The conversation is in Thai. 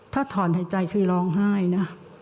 ถ้าถอนหายใจคือร้องไห้นะ